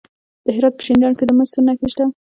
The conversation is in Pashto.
د هرات په شینډنډ کې د مسو نښې شته.